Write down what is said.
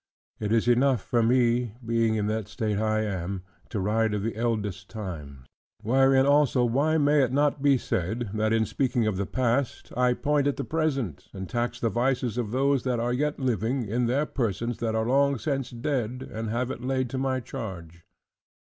It is enough for me (being in that state I am) to write of the eldest times: wherein also why may it not be said, that in speaking of the past, I point at the present, and tax the vices of those that are yet living, in their persons that are long since dead; and have it laid to my charge?